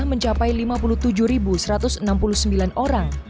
mencapai lima puluh tujuh satu ratus enam puluh sembilan orang